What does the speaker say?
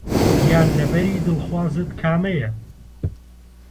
گیانلەبەری دڵخوازت کامەیە؟